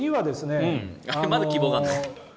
まだ希望があるの？